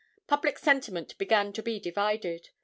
Public sentiment began to be divided.